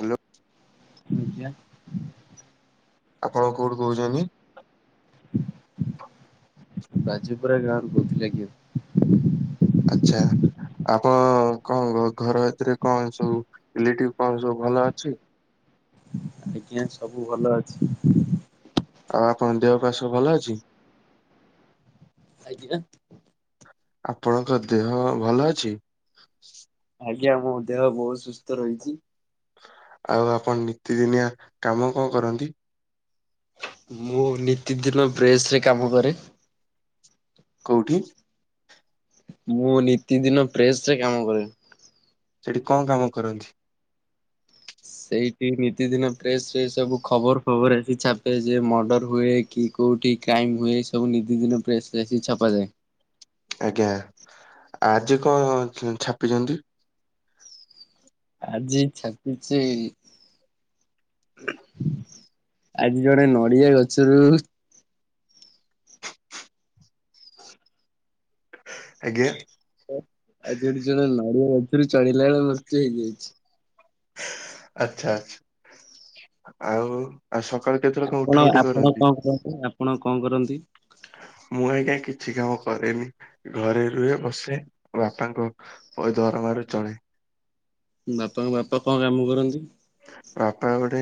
Hello. [unintelligible] ଆପଣ କୋଉଠି କହୁଚନ୍ତି? ବାଜିପୁରା ଗାଁରୁ କହୁଥିଲି ଆଜ୍ଞା। ଆଚ୍ଛା। ଆପଣ କଣ ଘ ଘର ଭିତରେ କଣ ସବୁ ଇଲେକ୍ଟ୍ରିକ କଣ ସବୁ ଭଲ ଅଛି? ଆଜ୍ଞା ସବୁ ଭଲ ଅଛି। ଆଉ ଆପଣଙ୍କ ଦେହ ପା ସବୁ ଭଲ ଅଛି? ଆଗିଁୟା ଆପଣଙ୍କ ଦେହ ଭଲ ଅଛି? ଆଜ୍ଞା ମୋ ଦେହ ବହୁତ ସୁସ୍ଥ ରହିଚି। ଆଉ ଆପଣ ନିତିଦିନିଆ କାମ କଣ କରନ୍ତି? ମୁଁ ନିତିଦିନ ବ୍ରେସ ରେ କାମ କରେ। କଉଠି? ମୁଁ ନିତିଦିନ ପ୍ରେସ୍ ରେ କାମ କରେ। ସେଠି କଣ କାମ କରନ୍ତି? ସେଇଠି ନିତିଦିନ ପ୍ରେସ୍ ରେ ସବୁ ଖବର ଫବର ଆସି ଛାପେ ଯେ ମର୍ଡର ହୁଏ କି କେଉଠି କ୍ରାଇମ ଉଏସେ ହେଉନି ନିତି ଦିନ ପ୍ରେସ ଆସି ଛପାାଯାଏ। ଆଜ୍ଞା ଆଜି କଣ ଛାପିଛନ୍ତି? ଆଜି ଛାପିଚି ଆଜି ଜଣେ ନଡିଆ ଗଛରୁ [inaudible] ଆଜ୍ଞା। ଆଜି ଜଣେ ନଡିଆ ଗଛରୁ ଚଢିଲା ବେଳେ ମୃତ୍ୟୁ ହେଇଯାଇଛି। ଆଚ୍ଛ। ଆଚ୍ଛା ଆଉ ଆଉ ସକାଳୁ କେତେ ଲୋକ ଉଠା ଉଠି କରନ୍ତି ଆଜ୍ଞା ପ୍ରଣାମ। ଆପଣ କଣ କରନ୍ତି? ମୁଁ ଆଜ୍ଞା କିଛି କାମ କରେନି ଘରେ ରୁହେ ବସେ ବାପାଙ୍କ ଦରମାରୁ ଚଳେ। ବାପାଙ୍କ ବାପା କଣ କାମ କରନ୍ତି ବାପା ଗୋଟେ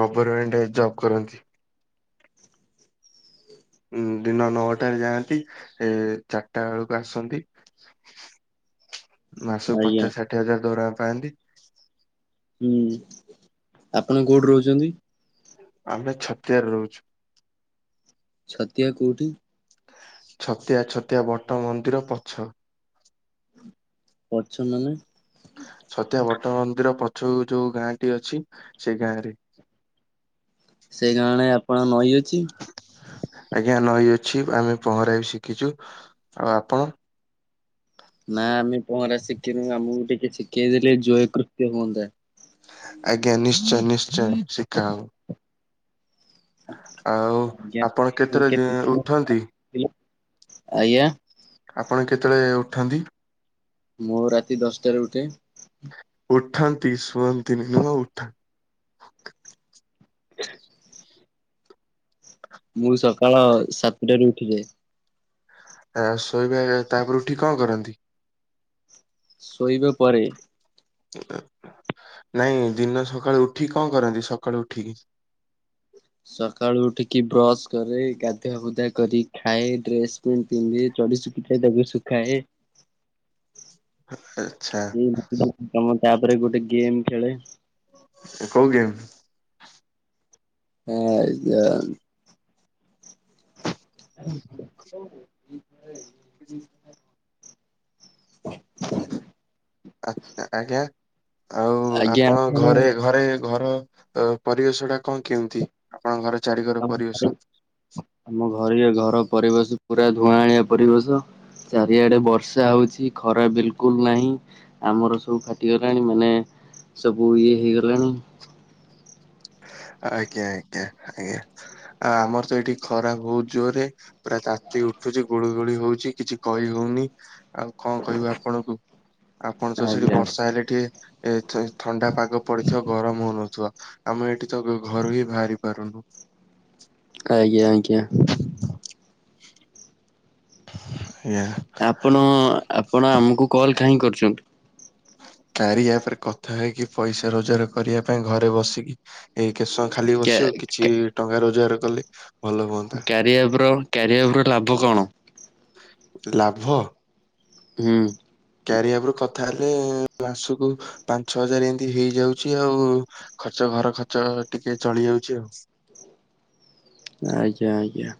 ଗଭର୍ମେଣ୍ଟରେ ଜବ କରନ୍ତି ଉଁ ଦିନ ନଅଟାରେ ଯାଆନ୍ତି ଏ ଚାରିଟା ବେଳକୁ ଆସନ୍ତି। ମାସକୁ ଆଜ୍ଞା ପଚାଶ ଷାଠିଏ ହଜାର ଦରମାପାଆନ୍ତି। ହୁଁ ଆପଣ କୋଉଠି ରହୁଛନ୍ତି? ଆମେ ଛତିଆରେ ରହୁଛୁ ଛତିଆ କୋଉଠି? ଛତିଆ ଛତିଆ ବଟ ମନ୍ଦିର ପଛ। ପଛମାନେ ଛଡ଼ିଆ ବଟ ମନ୍ଦିର ପଛ ଯୋଉ ଗାଁଟି ଅଛି ସେଇ ଗାଁ ରେ ସେଇ ଗାଁରେଆପଣ ନଈଅଛି। ଆଜ୍ଞା ନଈ ଅଛି ଆମେ ପହଁରା ବି ଶିଖିଛୁ ଆଉ ଆପଣ। ନା ଆମେ ପହଁରା ଶିଖିନୁ ଆମକୁ ଟିକେ ଶିଖେଇ ଦେେଲେ ଜୟକୃତ୍ୟ ହୁଅନ୍ତା ଆଜ୍ଞା ନିଶ୍ଚୟ ନିଶ୍ଚୟ ଶିଖାହବ। ଆଉ ଆଜ୍ଞା। ଆପଣ କେତେରେ କେତେ ଉଠନ୍ତି? ଆଜ୍ଞା। ଆପଣ କେତେବେଳେ ଉଠନ୍ତି? ମୁଁ ରାତି ଦଶଟାରେ ଉଠେ। ଉଠାନ୍ତି ସୁହନ୍ତି ନି ନୁହଁଉଠନ୍ତି? ମୁଁ ସକାଳ ସାତଟାରୁ ଉଠିଯାଏ। ଆ ଶୋଇବା ଟାଇମିରେ ଉଠିକି କଣ କରନ୍ତି? ଶୋଇବା ପରେ ନାଇଁ ଦିନ ସକାଳୁ ଉଠିକି କଣ କରନ୍ତି ସକାଳୁ ଉଠିକି? ସକାଳୁ ଉଠିକି ବ୍ରସ କରେ ଗାଧୁଆ ଫୁଧୁଆ କରି ଖାଏ ଡ୍ରେସ ତିନି ତିନି ଚଢି ଶଖିାଏ ଦେବ ଶୁଖାଏ [unintelligible] ଅଚ୍ଛା। [unintelligible] ତାପରେ ଗୋଟେ ଗେମ୍ ଖେଳେ। ଏଟା କଉ ଗେମ। ଆଞା [unintelligible] ଆ [unintelligible] ଆ [unintelligible] ଆ ଆଜ୍ଞା ଆଉ ଆପଣ ଘରେ ଘରେ ଘର। ତ ପରିବେଶ ଟା କଣ କେମିତି ଆପଣଙ୍କ ଘର ଚାରି ଘର ଆମ ଘରେ ପରିବେଶ? ଆମ ଘରେ ଘର ପରିବେଶ ପୁରା ଧୂଆଁଳିଆ ପରିବେଶ। ଚାରିଆଡେ ବର୍ଷା ହଉଛି ଖରା ବିଲକୁଲ ନାହିଁ। ଆମର ସବୁ ଫାଟିଗଲାଣି ମାନେ ସବୁ ଇଏ ହେଇଗଲାଣି। ଆଜ୍ଞା ଆଜ୍ଞା ଆଜ୍ଞା ଆ ଆମର ତ ଏଇଠି ଖରା ବହୁତ ଜୋରରେ। ପୁରା ତାତି ଉଠୁଛି ଗୁଳୁ ଗୁଳି ହଉଛି କିଛି କହି ହଉନି ଆଉ କଣ କହିବୁ ଆପଣଙ୍କୁ ଆପଣ ତ ସେଠି ଆଜ୍ଞା। ବର୍ଷା ହେଲେ ଟିକେ ଏ ଥ ଥଣ୍ଡା ପାଗ ପଡିଥିବ ଗରମ ହଉନଥିବ ଆମେ ଏଠି ତ ଘରୁ ହିଁ ବାହାରି ପାରୁନୁ। ଆଜ୍ଞା ଆଜ୍ଞା। ଇୟା ଆପଣ ଆପଣ ଆମକୁ କଲ୍ କାହିଁ କରୁଛନ୍ତି? କାରିୟା ଆପ୍ ରେ କଥା ହେଇକି ପଇସା ରୋଜଗାର କରିବା ପାଇଁ ଘରେ ବସିକି ଏଇ କେତେ ସମୟ ଖାଲି କ୍ୟା ବସିବ କ୍ୟା କିଛି ଟଙ୍କା ରୋଜଗାର କଲେ ଭଲ ହୁଅନ୍ତା କ୍ୟାରିଆ ଆପ୍ ର କ୍ୟାରିଆ ଆପ୍ ର ଲାଭ କଣ? ଲାଭ ହୁଁ କ୍ୟାରିଆ ଆପ୍ ରେ କଥା ହେଲେ ମାସକୁ ପାଞ୍ଚ ହଜାର ଏମିତି ହେଇଯାଉଛି ଆଉ ଖର୍ଚ୍ଚ ଘର ଖର୍ଚ୍ଚ ଟିକେ ଚଳି ଯାଉଛି ଆଉ ଆଜ୍ଞା ଆଜ୍ଞା।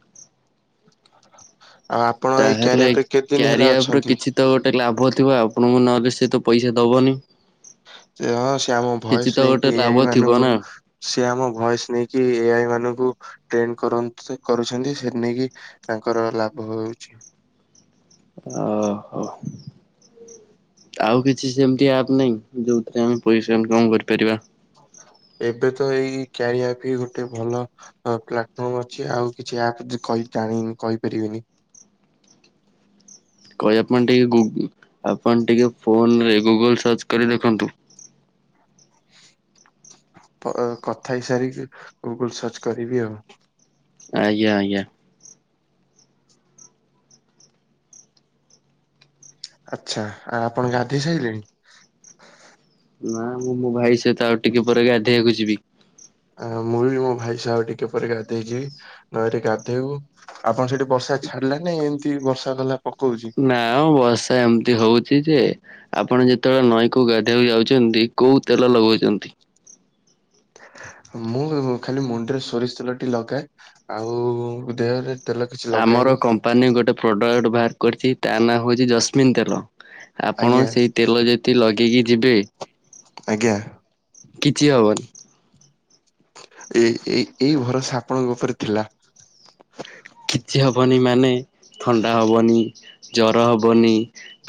ଆଉ ଆପଣ ଏଇ ତାହେଲେ କ୍ୟାରିଅର ଆପ୍ ରେ କେତେ ଦିନ କ୍ୟାରିଆ ହେଲା ଆପ ର ଅଛନ୍ତି କିଛି ତ ଗୋଟେ ଲାଭ ଥିବ ଆପଣଙ୍କୁ ନହେଲେ ସେ ତ ପଇସା ଦବନି ସେ ହଁ ସେ ଆମ କିଛି ଭୟସ୍ ତ ଗୋଟେ ନେଇକି ଏଆଇ ଲାଭ ଥିବ ମାନଙ୍କୁ ନା ସେ ଆମ ଭଏସ୍ ନେଇକି ଏଆଇ ମାନଙ୍କୁ ଟ୍ରେଣ୍ଡ କର କରୁଛନ୍ତି ସେଥି ନେଇକି ତାଙ୍କର ଲାଭ ହଉଛି ଓ ହୋ ଆଉ କିଛି ସେମତି ଆପ୍ ନାଇଁ ଯୋଉଥିରେ ଆମେ ପଇସା ଇନକମ୍ କରିପାରିବା ଏବେ ତ ଏଇ କାରିଆ ଆପ୍ ହିଁ ଗୋଟେ ଭଲ ପ୍ଲାଟଫର୍ମ ଅଛି ଆଉ କିଛି ଆପ୍ କହି ଜାଣିନି କହିପାରିବିନି କହି ଆପଣ ଟିକେ ଗୁ ଆପଣ ଟିକେ ଫୋନ୍ ରେ ଗୁଗଲ ସର୍ଚ୍ଚ କରି ଦେଖନ୍ତୁ। କଥା ହେଇସାରିକି ଗୁଗୁଲ ସର୍ଚ୍ଚ କରିବି ଆଉ ଆଜ୍ଞା ଆଜ୍ଞା। ଆଚ୍ଛା ଆ ଆପଣ ଗାଧୋଇ ସାଇଲେଣି। ନା ମୁଁ ମୋ ଭାଇ ସହିତ ଆଉ ଟିକେ ପରେ ଗାଧୋଇବାକୁ ଯିବି। ଆ ମୁଁ ବି ମୋ ଭାଇ ସହ ଆଉ ଟିକେ ପରେ ଗାଧେଇଯିବି ନଈରେ ଗାଧେଇବୁ। ଆପଣ ସେଠି ବର୍ଷା ଛାଡିଲା ନା ଏମତି ବର୍ଷା ଗଲା ପକଉଛି। ନା ବ ବର୍ଷା ଏମିତି ହଉଛି ଯେ। ଆପଣ ଯେତେବେଳେ ନଈକୁ ଗାଧୋଇବାକୁ ଯାଉଛନ୍ତି କୋଉ ତେଲ ଲଗଉଛନ୍ତି। ମୁଁ ଖାଲି ମୁଣ୍ଡ ରେ ସୋରିଷ ତେଲ ଟିକେ ଲଗାଏ ଆଉ ଦେହରେ ତେଲ କିଛି ଆମର ଲଗାଏନି କମ୍ପାନୀ ଗୋଟେ ପ୍ରଡ଼କ୍ଟ୍ ବାହାର କରିଛି ତା ନାଁ ହେଉଛି ଜସ୍ମିିନ୍ ତେଲ। ଆପଣ ଆଜ୍ଞା ସେଇ ତେଲ ଯଦି ଲଗେଇକି ଯିବେ। ଆଜ୍ଞା। କିଛି ହବନି। ଏ ଏ ଏଇ ଭରସା ଆପଣଙ୍କ ଉପରେ ଥିଲା। କିଛି ହବନି ମାନେ ଥଣ୍ଡା ହବନି। ଜର ହବନି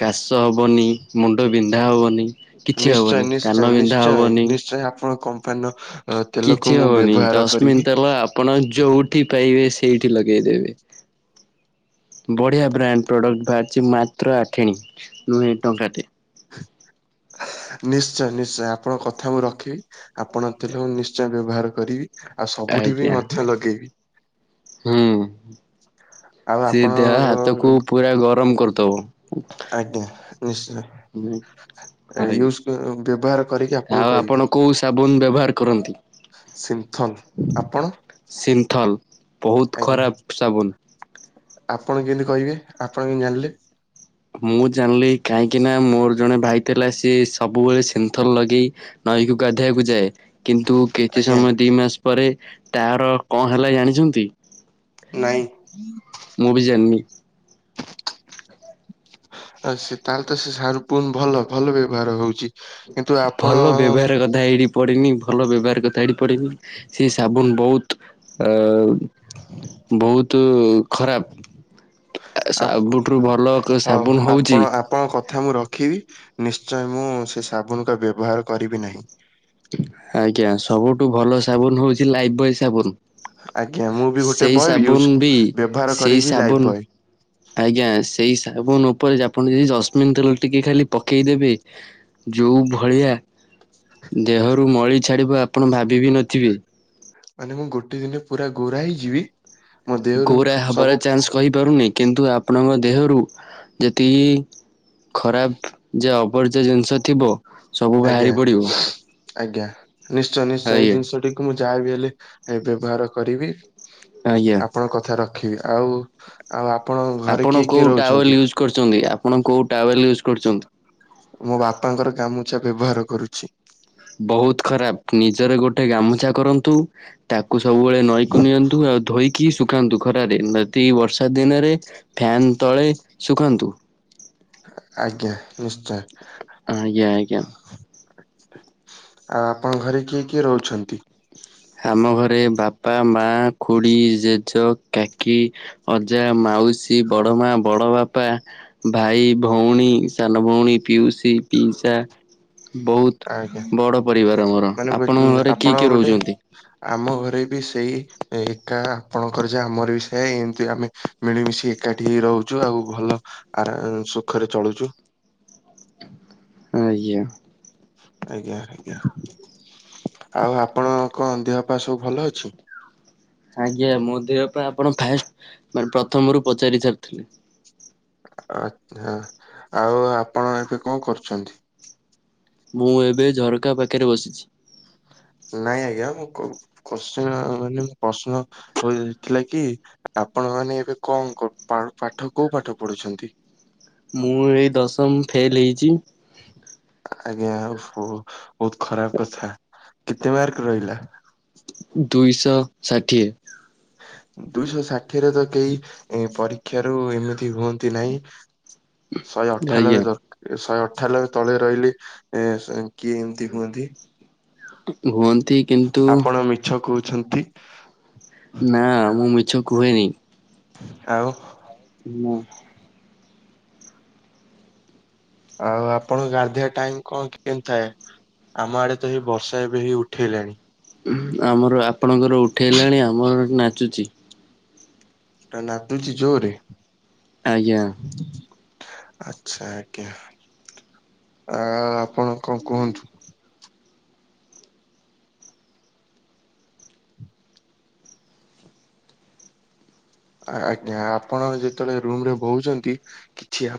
କାଶ ହବନି ମୁଣ୍ଡ ବିନ୍ଧା ହବନି। କିଛି ହବନି ନିଶ୍ଚୟ କାନ ନିଶ୍ଚୟ ବିନ୍ଧା ନିଶ୍ଚୟ ହବନି ନିଶ୍ଚୟ ଆପଣଙ୍କ କମ୍ପାନୀର। ଅ ତେଲକୁ କିଛି ମୁଁ ହବନି ବ୍ୟବହାର ଜସ୍ମିନ୍ କରିବି। ତେଲ ଆପଣ ଯୋଉଠି ପାଇବେ ସେଇଠି ଲଗେଇଦେବେ। ବଢ଼ିଆ ବ୍ରାଣ୍ଡ ପ୍ରଡ଼କ୍ଟ୍ ବାହାରିଛି ମାତ୍ର ଆଠେଣୀ ନୁହେ ଟଙ୍କା ଟେ। ନିଶ୍ଚୟ ନିଶ୍ଚୟ ଆପଣଙ୍କ କଥା ମୁଁ ରଖିବି ଆପଣ ତେଲ ମୁ ନିଶ୍ଚୟ ବ୍ୟବହାର କରିବି। ଆଉ ସବୁଠି ବି ଆଜ୍ଞା ମଧ୍ୟ ଲଗେଇବି। ହୁଁ ଆଉ ସେ ଆପଣ। ଦେହ ହାତକୁ ପୁରା ଗରମ କରିଦବ। ଆଜ୍ଞା ନିଶ୍ଚୟ। ହୁଁ। ୟୁଜ ବ୍ୟବହାର କରିକି ଆଜ୍ଞା ଆପଣଙ୍କୁ ଆଉ କହିବି। ଆପଣ କୋଉ ସାବୁନ ବ୍ୟବହାର କରନ୍ତି। ସିନ୍ଥଲ ଆପଣ। ସିନ୍ଥଲ ବହୁତ ଆଜ୍ଞା ଖରାପ ସାବୁନ୍। ଆପଣ କେମିତି କହିବେ ଆପଣ କେମିତି ଜାଣିଲେ। ମୁଁ ଜାଣିଲି କାହିଁକି ନା ମୋର ଜଣେ ଭାଇ ଥିଲା ସିଏ ସବୁବେଳେ ସିନ୍ଥର ଲଗେଇ। ନଈକୁ ଗାଧୋଇବାକୁ ଯାଏ। କିନ୍ତୁ କିଛି ଆଜ୍ଞା ସମୟ ଦି ମାସ ପରେ ତାର କଣ ହେଲା ଜାଣିଛନ୍ତି। ନାଇଁ। ମୁଁ ଭି ଜାଣିନି। ଆଉ ସେ ତାହେଲେ ତ ସେ ସାବୁନ ଭଲ ଭଲ ବ୍ୟବହାର ହଉଛି। କିନ୍ତୁ ଆପଣ ଭଲ ବ୍ୟବହାର କଥା ଏଇଠି। ପଡ଼େନି ଭଲ ବ୍ୟବହାର କଥା ଏଠି ପଡିନି ସେ ସାବୁନ ବହୁତ। ବହୁତ ଖରାପ। ଆପ- ସବୁଠୁ ଭଲ ହଉ ସାବୁନ ହଉଛି। ଆପଣ ଆପଣଙ୍କ କଥା ମୁଁ ରଖିବି ନିଶ୍ଚୟ ମୁଁ ସେ ସାବୁନ କୁ ବ୍ୟବହାର କରିବି ନାହିଁ। ଆଜ୍ଞା ସବୁଠୁ ଭଲ ସାବୁନ ହଉଛି ଲାଇଭ ବଏ ସାବୁନ। ଆଜ୍ଞା ମୁଁ ବି ଗୋଟେ ସେଇ ବୟ ୟୁଜ ସାବୁନ ବି ବ୍ୟବହାର ସେଇ କରିବି ଲାଇଫ ସାବୁନ୍। ବୟ ଆଜ୍ଞା ସେଇ ସାବୁନ ଉପରେ ଆପଣ ଯଦି ଜସମିନ ତେଲ ଟିକେ ଖାଲି ପକେଇଦେବେ। ଯେଉଁ ଭଳିଆ। ଦେହରୁ ମଳି ଛାଡ଼ିବ ଆପଣ ଭାବିବି ନଥିବେ। ମାନେ ମୁଁ ଗୋଟେ ଦିନ ପୁରା ଗୋରା ହେଇଯିବି ମୋ ଦେହରୁ ଗୋରା ହବାର ସବୁ। ଚାନ୍ସ କହିପାରୁନି କିନ୍ତୁ ଆପଣଙ୍କ ଦେହରୁ ଯେତିକି। ଖରାପ ଯେ ଅବର୍ଜ ଜିନିଷ ଥିବ। ସବୁ ଆଜ୍ଞା ବାହାରି ପଡିବ ଆଜ୍ଞା ନିଶ୍ଚୟ ନିଶ୍ଚୟ ଏଇ ଆଜ୍ଞା ଜିନିଷ ଟି। ମୁଁ ଯାହାବି ହେଲେ ବ୍ୟବହାର କରିବି ଆଜ୍ଞା। ଆପଣଙ୍କ କଥା ରଖିବି ଆଉ। ଆଉ ଆପଣ ଘରେ ଆପଣ କିଏ କୋଉ କିଏ ଟାୱେଲ ରହୁଛନ୍ତି। ୟୁଜ ଆପଣ କୋଉ ଟାୱେଲ ୟୁଜ୍ କରୁଛନ୍ତି। ମୋ ବାପାଙ୍କର ଗାମୁଛା ବ୍ୟବହାର କରୁଛି। ବହୁତ୍ ଖରାପ୍ ନିଜର ଗୋଟେ ଗାମୁଛା କରନ୍ତୁ ତାକୁ ସବୁବେଳେ ନଈକୁ ନିଅନ୍ତୁ ଆଉ ଧୋଇ କି ଶୁଖାନ୍ତୁ ଖରାରେ ନ ଦି ବର୍ଷା ଦିନରେ ଫ୍ୟାନ୍ ତଳେ ଶୁଖାନ୍ତୁ। ଆଜ୍ଞା ନିଶ୍ଚୟ। ଆଜ୍ଞା- ଆଜ୍ଞା। ଆଉ ଆପଣଙ୍କ ଘରେ କିଏ କିଏ ରହୁଛନ୍ତି? ଆମ ଘରେ ବାପା, ମା, ଖୁଡ଼ି, ଜେଜ, କାକି ଅଜା, ମାଉସୀ, ବଡ ମା, ବଡ ବାପା ଭାଇ, ଭଉଣୀ, ସାନ ଭଉଣୀ, ପିଉସୀ ପିଇସା ବହୁତ୍ ଆଜ୍ଞା ବଡ଼ ପରିବାର ଆମର। ମାନେ ଆପଣଙ୍କ ଗୋ- ଘରେ ଆପଣ କିଏ କିଏ ଗୋଟେ ରହୁଚନ୍ତି? ଆମ ଘରେ ବି ସେଇ ଏକା ଆପଣଙ୍କର ଯାହା ଆମର ବି ସେୟା ଏମିତି ଆମେ ମିଳିମିଶି ଏକାଠି ହେଇ ରହୁଚୁ ଆଉ ଭଲ ଆରା ସୁଖରେ ଚଳୁଚୁ। ଆଜ୍ଞା। ଆଜ୍ଞା- ଆଜ୍ଞା ଆଉ ଆପଣ କଣ ଦେହପା ସବୁ ଭଲ ଅଛି? ଆଜ୍ଞା ମୋ ଦେହ ପା ଆପଣ ଫାଷ୍ଟ୍ ପ୍ରଥମରୁ ପଚାରି ସାରିଥିଲେ। ଆଛା -ଆଉ ଆପଣ ଏବେ କଣ କରୁଚନ୍ତି? ମୁଁ ଏବେ ଝରକା ପାଖରେ ବସିଚି। ନାଇଁ ଆଜ୍ଞା ମୁଁ କୁ କୋଶ୍ଚିନ୍ ମାନେ ପ୍ରଶ୍ନ ହୋଉଥିଲା କି ଆପଣ ମାନେ ଏବେ କଣ କଣ ପାଠ କୋଉ ପାଠ ପଢୁଛନ୍ତି? ମୁଁ ଏଇ ଦଶମ ଫେଲ୍ ହେଇଚି। ଆଜ୍ଞା ଆଉ ଓହୋ ବହୁତ୍ ଖରାପ୍ କଥା କେତେ ମାର୍କ ରହିଲା? ଦୁଇଶ ଷାଠିଏ। ଦୁଇଶ ଷାଠିଏରେ ତ କେହି ପରୀକ୍ଷା ରୁ ଏମିତି ହୁଅ ତି ନାହିଁ ଶହେ ଅଠାନବେ ଆଜ୍ଞା ଦର ଶହେ ଅଠାଲବେ ତଳେ ରହିଲେ ଏ ସ କିଏ ଏମିତି ହୁଅନ୍ତି? ହୁଅନ୍ତି କିନ୍ତୁ ଆପଣ ମିଛ କହୁଛନ୍ତି। ନା ମୁଁ ମିଛ କୁହେନି। ଆଉ। ମୁଁ। ଆଉ ଆପଣଙ୍କ ଗାଧେଇବା ଟାଇମ୍ କଣ କି -କେମତି ଥାଏ? ଆମ ଆଡେ ତ ହେଇ ବର୍ଷା ଏବେ ହେଇ ଉଠେଇଲାଣି। ଆମର- ଆପଣଙ୍କର ଉଠେଇଲାଣି ଆମର ଏଠି ନାଚୁଚି। ନାଦୁଚି ଜୋରେ? ଆଜ୍ଞା। ଆଛା ଆଜ୍ଞା। ଆ- ଆପଣ କଣ କୁହନ୍ତୁ? ଆଜ୍ଞା ଆପଣ ଯେତେବେଳେ ରୁମ୍ ରେ ବଉଛନ୍ତି କିଛି ଆବା